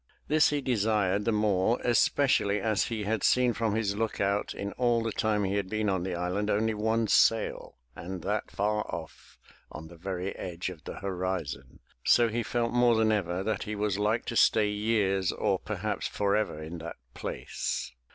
This he desired the more especially as he had seen from his lookout in all the time he had been on the island only one sail and that far off on the very edge of the horizon, so he felt more than ever that he was like to stay years or perhaps forever in that place.